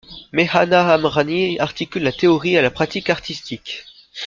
Mehana Amrani articule la théorie à la pratique artistique.